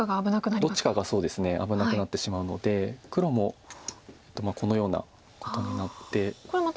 どっちかが危なくなってしまうので黒もこのようなことになって。